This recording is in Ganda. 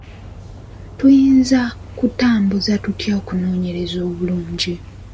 Tuyinza kutambuza tutya okunoonyereza obulungi?